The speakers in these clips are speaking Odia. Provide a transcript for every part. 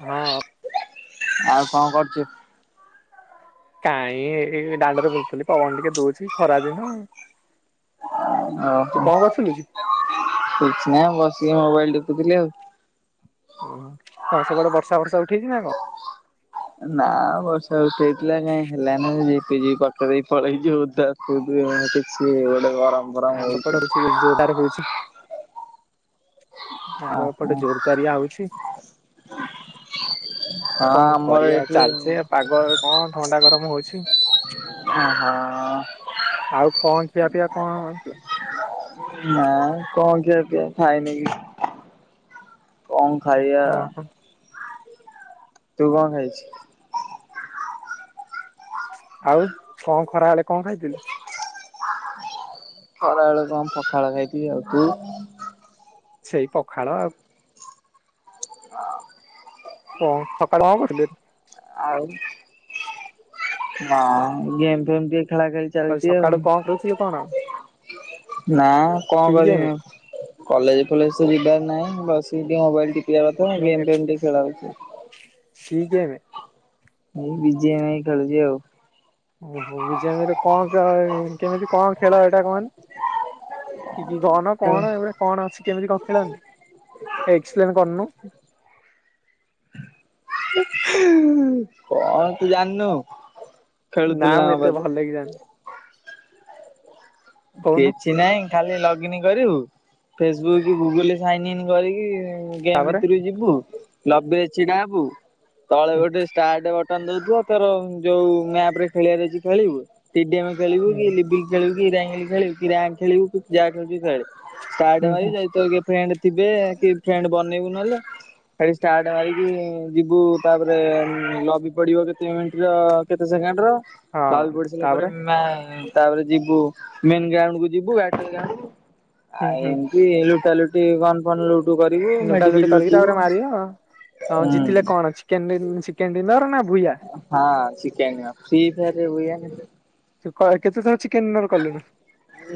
ହଁ ଆଉ କଣ କରୁଚୁ? କାହିଁ ଏଇ ଏଇ ଦାଣ୍ଡରେ ବୁଲୁଥିଲି ପବନ ଟିକେ ଦଉଛି ଖରା ଦିନ। ତୁ ଓହୋ କଣ କରୁଥିଲୁ କି? କିଛି ନାଇଁ ବ ସିକି ମୋବାଇଲ ଦେଖୁଥିଲି ଆଉ ଓହୋ ହଁ ସେପଟେ ବର୍ଷା ଫର୍ଷା ଉଠେଇଛି ନା କଣ? ନା ବର୍ଷା ଉଠେଇଥିଲା କାଇଁ ହେଲାନି ଝିପି ଝିପି ପକେଇ ଦେଇ ପଳେଇଚି ଓଦା କିଛି ଗରମ ଫରମ ଆମ ଏପଟେ ହଉଛିି। ହଉଛି ବେଶୀ ଜୋରଦାର ହଉଛି। ଆମ ଓହୋ ଏପଟେ ଜୋରଦାରିଆ ହଉଛି ହଁ କଣ ଆମର କରିବା ଏଠି ଚାଇଚାଇଁଆ ପାଗ କଣ ଥଣ୍ଡା କରି କାମ ହଛି ଓ ହଁ ଆଉ କଣ ଖିଆ ପିଇଆ କଣ? ନା କଣ ଖିଆ ପିଆ ଖାଇନି କିଛି କଣ ଖାଇଆ ଓହୋ ତୁ କଣ ଖାଇଛୁ? ଆଉ କଣ ଖରା ବଲେ କଣ ଖାଇଥିଲୁ? ଖରା ବେଳ କମ ପଖାଳ ଖାଇଥିଲି। ଆଉ ତୁ? ସେଇ ପଖାଳ ଆ ହ ସକାଳେ [unintelligible] ଆଉ [inaudible] ନାଁ ଗେମ୍ ଫେମ୍ ଟିକେ ଖେଳା ଖେଳି କହିଲି ଚାଲିଛି ଆଉ। ସକାଳୁ କଣ କରୁଥିଲୁ କଣ? ନା କଣ କି କରମି ଗେମ୍ ଆଉ କଲେଜ ଫଲେଜ୍ ସି ଯିବା ନା ବସିକି ଟିକେ ମୋବାଇଲ ଟି ପିଆ କଥା ଗେମ୍ ଫେମ୍ ଟିକେ ଖେଳାଉଛି। କି ଗେମ୍? ଏଇ ବିଜ [unintelligible] ଖେଳୁଛି ଆଉ। ଓହୋ ବିଜଭାଇ ର କଣ କେମିତି କଣ ଖେଳ ଏଇଟା କହନି। କିଛି ଧନ କଣ ଏଗୁଡା କଣ ଅଛି। କେମିତି କଣ ଖେଳନ୍ତିି? ଏକ୍ସପ୍ଲେନ୍ କରନୁ। କଣ ତୁ ଜାଣନୁ? ନା ମୁ ଏତେ ଭଲ କି ଜାଣିନି। କହୁନୁ କିଛି ନହିଁ ଖାଲି ଲଗ୍ ଇନୀ କରିବୁ ଫେସବୁକ୍ ଗୁଗୁଲରେ ସାଇନ ଇନ୍ କରିକି ଗେମ୍ ତାପରେ ଭିତରକୁ ଯିବୁ ଲବେ ଛିଡ଼ା ହବୁ ତଳେ ହୁଁ ଗୋଟେ ଷ୍ଟାର୍ଟ ବଟ୍ ଦୋକାନ ଦଉଥୁ ତୋର ଯୋଉ ମ୍ୟାପ ରେ ଖେଳିବାର ଅଛି ଖେଳିବୁ। ଟିଡିମ କଳିବ ହୁଁ କି ଲିିବିଲି କଳିବ କିଙ୍ଗ ଖେଳିବୁ କି ରାଙ୍ଗ୍ ଖେଳିବୁ ତୁ ଯାହା ଖେଳୁଚୁ ଖେଳେ। ଷ୍ଟାର୍ଟ ହୁଁ ମାରି ଏ ହୁଁ ଯାଇ ତ ଇଏ ଫ୍ରେଣ୍ଡ୍ ଥିବେ କି ଫ୍ରେଣ୍ଡ୍ ବନେଇବୁ ନହେଲେ। ଖାଲି ଷ୍ଟାର୍ଟ ମାରିକି-ଇ-ଇ-ଇ ଯିବୁ ତାପରେ-ଏ-ଏ-ଏ ଲବି ପଡ଼ିବ କେତେ ମିନିଟ୍ ର-ଅ-ଅ-ଅ କେତେ ସେକେଣ୍ଡର ତା ବି ହଁ ପଢି ସାରିଲା ପରେ ତାପରେ ମା ତାପରେ ଯିବୁ ମେନ୍ ଗ୍ରାଉଣ୍ଡ୍ କୁ ଯିବୁ ଆ [unintelligible] ଆଣିବୁ। ହୁଁ ଆଉ ହୁଁ ଏମିତି-ଇ-ଇ [unintelligible] ଟିକେ ଗନ୍ ଫନ୍ ଲୁଟ୍ ତୁ କରିବୁ ଲୁଟା ଲୁଟି ମେଡିକେଟ କରିକି ଲୁଟିବୁ। ତାପରେ ମାରିବ ହଁ ହୁମ ଜିତିଲେ କଣ ଚିକେନ ଡିନ ଚିକେନ ଡିନର ନା ଭୂୟା ହଁ [unintelligible] ତୁ କ କେତେଥର ଚିକ୍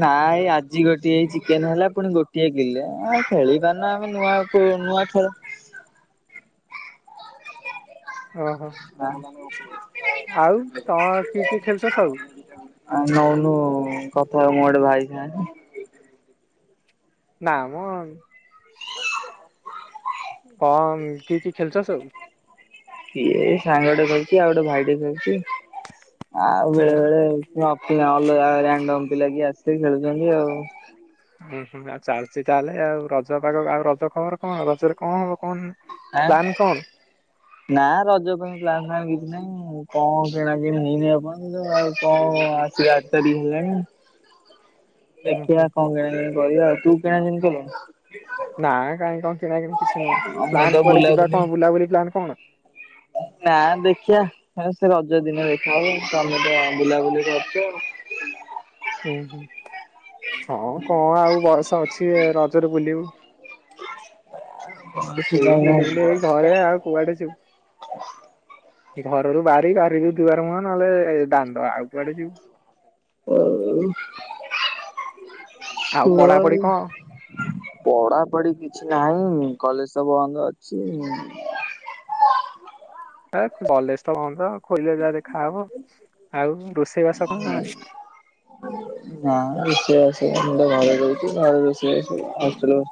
ନାଇଁ ଆଜି ଗୋଟିଏ ହେଇଛି, ନ ହେଲେ ପୁଣି ଗୋଟିଏ କିଲେ ଆ ଖେଳ ପାର ନା ଆମେ ନୂଆ ନୂଆ ଖେଳ ଓହୋ ଆଉ ତମର କିଏ କିଏ ଖେଳୁଛ ସବୁ ଆ ନ ଉନୁ ମୁଁ ଗୋଟେ ଭାଇ ସାଙ୍ଗେ ନାମ କଣ କି କି ଖେଳଛ ସବୁ ଇଏ ସାଙ୍ଗଟେ ଖଉଛି ଆଉ ଗୋଟେ ଭାଇଟେ ଖଉଛି, ଆଉ ହୁଁ ବେଳେ ହୁଁ ବେଳେ ଅଫ ଭଲ ଲାଗି ଆସିିକି ଖେଳୁଛନ୍ତି ଆଉ [inaudible] ଉୁଁ ହୁଁ ଆଉ ଚାଲିଚଛି ତାହେଲେ ଆଉ ରଜ ପାାଗ ଆଉ ରଜ ଖବର କଣ ରଜରେ କଣ ହବ କଣ [inaudible] ଆଁ ପ୍ଲାନ ନା ରଜ ପାଇଁ ଲ କିଛି ନାଇଁ କଣ କିଣାକି ହେଇନି କଣ ଆସି ଆ ତାର ହେଲେଣି କଣ? ଦେଖିବା କଣ କିଣ କରିବା ଆଉ ତୁ କିଣା ଦିନ କର ନା କାଇଁ କଣ କିଣାକ କିଛି ନହଁ ମୁଁ ତ ପ୍ନ୍ ପରେ ଯିବା ବୁଲାବୁଲି କଣ ବୁଲାବୁଲି ପ୍ଲାନ୍ କଣ ନା ଦେଖିବା ସେ ରଜ ଦିନ ଦେଖା ହଉ ତମେ ତ ବୁଲାବୁଲି କରୁଛ ଆଉ ହ ହ [inaudible] ହଁ କଣ ଆଉ ବୟସ ଅଛି ରଜରେ ବୁଲିବୁ କୌଣସି ଏଇ କାମ ଆଉ ବୁଲ ବୁନ ଏଇ ଘରେ ଆଉ କୁଆଡେ ଯୁ ଘରରୁ ବାହାରି ବାହାରିବୁ ଦିବାର ମୁହଁ ନହେଲେ ଏ ଦାନ୍ତ ଆଉ କୁଆଡେ ଯିବୁ ଓ [inaudible] ଆଉ ଶଆ ପଢାପଢି କଣ? ପଢ଼ା ପଢ କିଛି ନାହିଁ କଲେଜ ତବ ବନ୍ଦ ଅଛି, କଲେଜ ତ କନ୍ତ ଖୋୋଇ ଯାହା ଦେଖା ହବ ଆଉ ରୋଷେଇବାସ କଣ ନା ନିୟ ଆ ସେ ମୁ ଭଲ ଭ ବ ହଲଲ ରହିଲ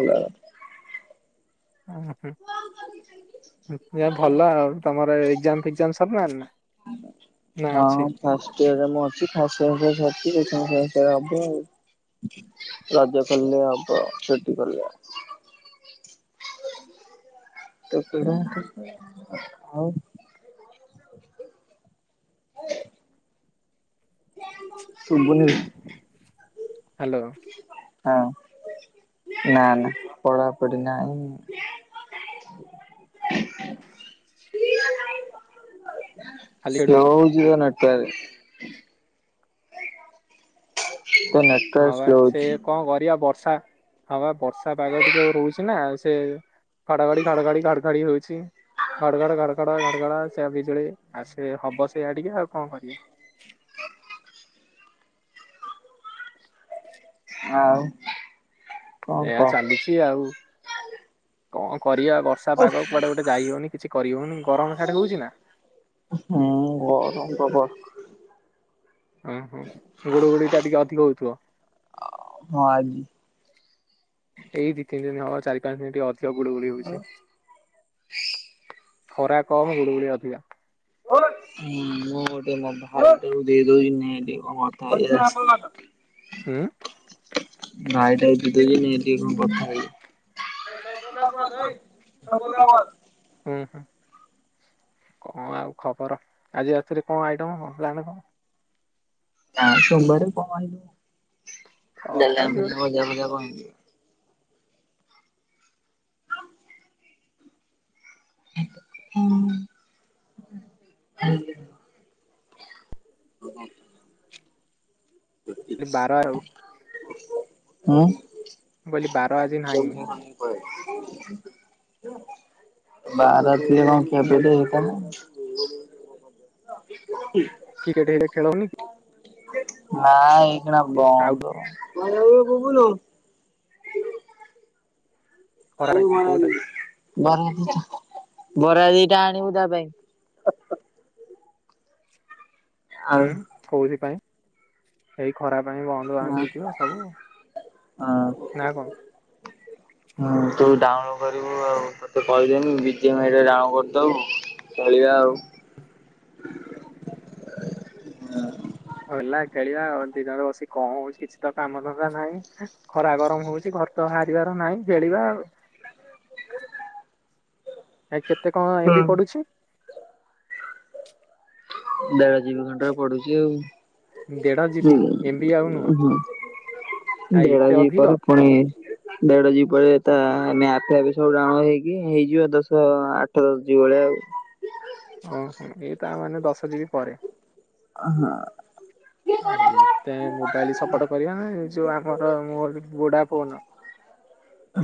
ଭଲ [inaudible] ଓ ହ ଯ ଭଲ ଆଉ ତମର ଏଜାମ [inaudible] ଏଜାମ ସବନ ନା ନା ଅଛି ହଁ ଫାଷ୍ଟ ଇରରେ ମୁଁ ଅଛି ଫା ହବ ରଜା କଲେ ହବ ସେଠ କଲେବ ତତରା ଆଉ। ଫ୍ୟାନ ବନ୍ଦ। ଶୁବୁନି ବେ। ହ୍ୟାଲୋ। ହଁ ନା ନା ପଢାପଢି ନାହିଁ। ଖାଲି ସେ ଖେଳୁଛୁ। ହଉ ଯିବ ନା। [unintelligible] ତୋ ନେଟୱାର୍କ ହଁ ବା ସ୍ଲୋ ସେ ହଉଛି। କଣ କରିବା ବର୍ଷା ହଁବା ବର୍ଷା ପାଗ ଟ ଯ ରହୁଛି ନା ସେ ଘଡଘଡି ଘଡଘଡି ଘଡଘଡି ହଉଛି। ଘଡ ଘଡ ଘଡ ଘଡ ଘଡ଼ ଘଡ଼ ଚାଲିଛି। ଲେ ଆସିବେ ହବ ସେଇଆ ଟିକେ ଆଉ କଣ କରିବା। [inaudible] ଆଉ। କଣ କହ ଏୟା ଚାଲିଛି ଆଉ। କଣ କରିବା ବର୍ଷା ପାଗ କୁଆଡେ ଗୋଟେ ଯାଇ ହଉନି କିଛି କରିହଉନି ଗରମ ସିଆଡେ ହଉଛି ନା। [inaudible] ହୁଁ ଗରମ ପ୍ରବଳ ଓହୋ ଗୁଡୁ ଗୁଡି ଟା ଟିକେ ଅଧିକ ହଉଥିବ। ହଁ ଆଜି [inaudible] ଏଇ ଦି ତିନି ଦିନ ହବ ଚାରି ପାଞ୍ଚ ଦିନ ଟିକେ ଅ ଧିକ ଗୁଳୁଗୁଳି ହଉଛି। [inaudible] ଖରା କମ ଗୁଳୁଗୁଳି ଅଧିକା। ହୁଁ [unintelligible] ହଁ ମୁଁ ଗୋଟେ ମନ ହାର୍ଟ ଟାକୁ ଦେଇଦଉଛି ନେ ଟିକେ। [unintelligible] ନାଇଟିଆଇ ଯିବିନି ଟିକ କଣ ହୁଁ କଥା ହେବି। [unintelligible] [inaudible] କଣ ଆଉ ଖବର ଆଜି ରାତିରେ କଣ ଆଇଟମ୍ କଣ ପ୍ଲାନ କଣ? ନାଁ ସୋମବାରେ କଣ ଆଇଁଷ। ଦେଡଲ ତଥାପି ଭଜା ଗୋଟେ ଭଜା କ [unintelligible] [unintelligible] ହୁଁ। [inaudible] ଲି ବାର ଆଉ। [inaudible] ହଁ। ବୋଲି ବାର ଆଜି ନାହିଁ। ବାର ଥିଲେ କଣ ଟିକେ ଖିଆପିଆ ଟିକେ ହେଇଥାନ୍ତା। [unintelligible] କ୍ରିକେଟ ଏବେ ଖେଳ ହୋଉନିକି। ନାଇଁ। ଏଇନା ଆଉ ବନ୍ଦ। ମ ଆ ବୁବୁଲୁ। [unintelligible] ଖରା ପାଇଁ କୋଉଟା ବରା ବରା ଦିଟା ଆଣିବୁ ତା ପାଇଁ। ଆଉ ହୁଁ କଉଥି ପାଇଁ? [inaudible] ଏଇ ଖରାପ ହଁ ହଁ ନା କଣ? ହଁ ତୁ ଡାଉଁଲୋଡ କରିବୁ ଆଉ ସେ କହିଦେନି ବିଜେ ମ ଏଟା ଟାଣ କରିଦଉ ଚଳିବା ଆଉ ହୁଁ। ହେଲା ଖେଳିବା ଆଉ ଦିନରେ ବସି କଣ ହଉଛି କିଛି ତ କାମ ଧନ୍ଦା ନାହିଁ ଖରା ଗରମ ହଉଛି ଘର ତ ବାହାରିବାର ନାହିଁ ଖେଳିବା ଆଉ [unintelligible] ଆ କେ ଏତେ କଣ ଏମତି ପଢଡୁଛି। ଦେଢ ଯିବି ଘଣ୍ଟାରେ ପଢୁଛି ଆଉ ଦେଢ ହୁଁ ଯିବି ଏମ ବି ଆଉ ନୁହ ଆ ଦେଢ ଏତେ ଜିବି ପରେ ଅଧିକ? ପୁଣି ଦେଢ ଯିବ ପରେ ତା ଆମେ ଆଫିଆ ବି ସବୁ ଡାଉଁଲୋଡ଼ ହେଇକି ହେଇଯିବ ଦଶ ଆଠ ଦଶ ଯିବ ବଳିଆ ଆଉ ଓହୋ ଏଇ ତା ମାନେ ଦଶ ଯିପି ପରେ ତେ ମୋବାଇଲ ସପୋର୍ଟ କରିବା ନା ଯୋଉ ଆମର ମୋ ବୁଢା ଫୋନ୍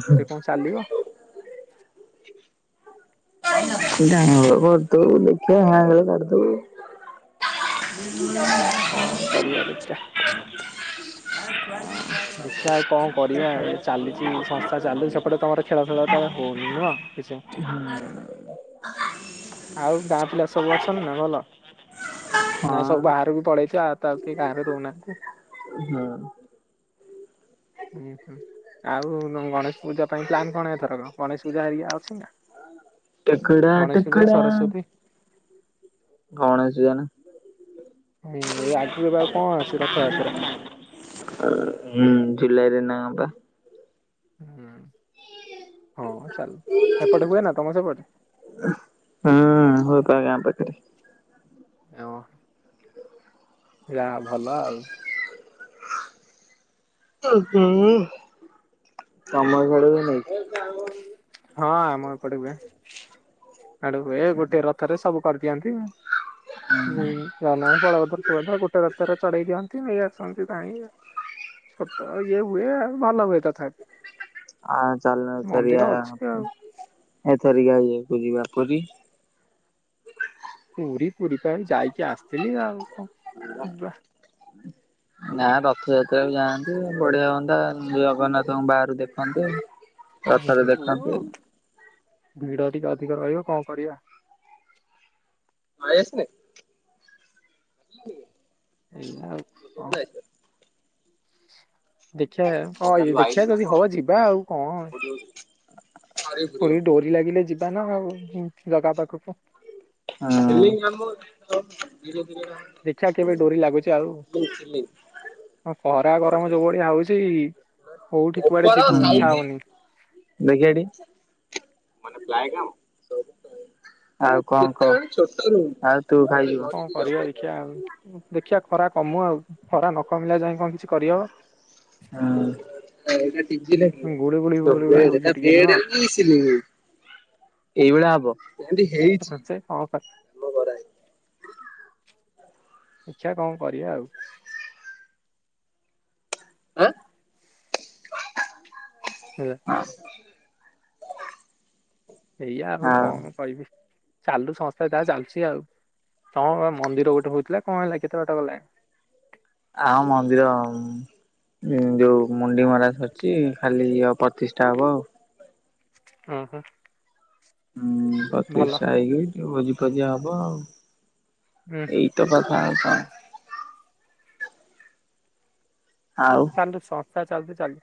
ଏଥିରେ କଣ ଚାଲିବ? [unintelligible] ହଁ କରିବା ଦେଖିଆ ଦେଖିଆ ଆଉ କଣ କରିବା ଏ ଚାଲିଛି ସଂସ୍ଥା ଚାଲୁଛି ସେପଟେ ତମର ଖେଳଫେଳ ତ ହଉନି ନୁହଁ କିଛି? ଆଉ ଗାଁ ପିଲା ସବୁ ଅଛନ୍ତି ନା ଭଲ ହଁ। ନା ସବୁ ବାହାର କୁ ପ ଦେଖିଆ ତାକୁ ଗାଁରେ ରଉନା ହଁ ହୁଁ ଆଉ ଗଣେଶ ପୂଜା ପାଇଁ ପ୍ଲାନ୍ କଣ ଏଥରକ ଗଣେଶ ପୂଜା ଏକା ଅଛି ନା ଟେକଡା ଗଣେଶ ପୂଜା ଟେକଡା ସରସ୍ଵତୀ ଗଣେଶ ପୂଜା ହୁଁ ଏଇ ଆଗକୁ ଏବେ ଆଉ କଣ ଅଛି ରଥଯାତ୍ରା ହୁଁ ଜୁଲାଇରେ ନା କଣ ବା ହୁଁ ହଁ ଚାଲୁ ଏପଟେ ହୁଏ ନା ତମ ସେପଟେ [unintelligible] ଓ ଯା ଭଲ ଆଉ [unintelligible] ହଁ ଆମ ଏପଟେ ହୁଏ। ଆଡୁ ହୁ ଏ ଗୋଟେ ରଥରେ ସବୁ କରିଦିଅନ୍ତି ଆଉ ହୁଁଁଜଗନ୍ନାଥ ବଳଭଦ୍ର ସୁଭଦ୍ରା ଗୋଟେ ରାସ୍ତା ରେ ଚଢେଇ ଦିଅନ୍ତି ନେଇ ଆସନ୍ତି ତାହି ଛୋଟ ଇଏ ହୁଏ ଆଉ ଭଲ ହୁଏ ତଥାପି। ଆଁ ଚାଲ ଚାରିଆ ମନ୍ଦିର ଅଛି ଆଉ ଏ ତରିକା ଆ ଯେହେତୁ ଯିବା ପୁରୀ ପୁରୀ ପୁରୀ ପା ଏଇ ଯାଇକି ଆସିଥିଲି ଆଉ। କଣ ଯିବା ନା [inaudible] ନା ରଥ ଯା ତେଣୁ ଯାଆନ୍ତେ ବଢିଆ ହୁଅନ୍ତା ଜଗନ୍ନାଥଙ୍କୁ ବାହାରୁ ଦେଖନ୍ତେ। ରଥରେ ଦେଖନ୍ତେ। ଭିଡ଼ ଟିକେ ଅଧିକ ରହିବ କଣ କରିବା। [inaudible] ଭାଇ ଆସିନି? [unintelligible] ଏଇଆ ଆଉ କଣ। [inaudible] ଦେଖିବା ହଁ ଏଇ ଦେଖିଆ ଯଦି ହବ ଯିବା ଆଉ କଣ। ପୁରୀ ଡୋରି ଲାଗିଲେ ଯିବାନା ଆଉ ଜଗା ପା ଖକୁ ଆ [inaudible] ନିଜ କୁ ଦେଖିବା କେବେ ଡୋରି ଲାଗୁଛି ଆଉ [inaudible] ହଁ ଖରା ଗରମ ଯୋଉ ଭଳିଆ ହଉଛି କୋଉଠି କୁଆଡେ ଉପର ଯିବୁ ଇଚ୍ଛା ସାଇଜ ହଉନି ହୁଁ ଦେଖିଆ ଟି ମନେ ପ୍ଲାଏ କାମ ଆଉ କଣ କହୁଛୁ ଆଉ ତୁ ଖାଇଯିବୁ। କଣ କରିବା ଦେଖିଆ ଆଉ ଦେଖିଆ ଖରା କମୁ ଆଉ ଖରା ନ କମିଲା ଯାଏ କଣ କିଛି କରି ହବ। ହଁ ଏଇଟା ତିଜି ଲାଗିବ ଗୁଳି ଗୁଳି ଗୁଳି ଗୁଳି ହଉଛି ଏଇଟା ଟିକେ ବେଡ ନୁହଁ ହେଇକି ସିଲିଂ ହଉଛି। ଏଇ ଭଳିଆ ହବ। ଆଉ ପାଞ୍ଚାଇ କଣ କ [inaudible] ଦେଖିଆ କଣ କରିଆ ଆଉ। ଆଁ ହେଲା ହ ସ ଏଇଆ ଆଉ କଣ କହିବି। ଚାଲୁ ସଂସ୍ଥା ଯାହା ଚାଲୁଛି ଆଉ ତମର କଣ ମନ୍ଦିର ଗୋଟେ ହଉଥିଲା କଣ ହେଲା କେତେବାଟ ଗଲାଣି? ଆଉ ମନ୍ଦିର ଉଁ ଯୋଉ ମୁଣ୍ଡି ମରା ସରିଚି ଖାଲି ଇଏ ହବ ପ୍ରତିଷ୍ଠା ହବ ଆଉ। ଓହୋ। ଉଁ ପ୍ରତିଷ୍ଠା ହେଇକି ଭୋଜିପଜି ହବ ଆଉ। ହୁଁ ହୁଁ ଏଇତ କଥା ଆଉ କଣ? ଆଉ। ଶାଣ୍ଡୁସ। ଚାଲୁଛି ଚାଲୁ।